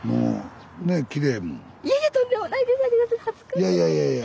いやいやいやいや。